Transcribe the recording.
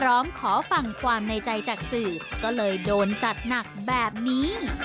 ร้องขอฟังความในใจจากสื่อก็เลยโดนจัดหนักแบบนี้